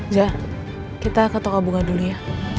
ja kita ke toko bunga dulu ya